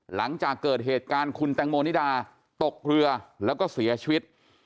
หลังจากเกิดเหตุการณ์คุณแตงโมนิดาตกเรือแล้วก็เสียชีวิต